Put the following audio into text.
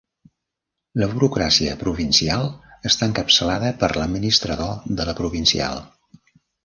La burocràcia provincial està encapçalada per l'administrador de la provincial.